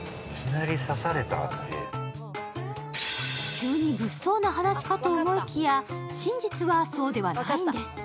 急に物騒な話かと思いきや、真実はそうではないんです。